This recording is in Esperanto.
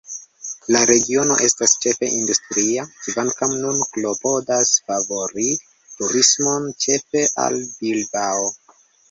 La regiono estas ĉefe industria, kvankam nun klopodas favori turismon, ĉefe al Bilbao.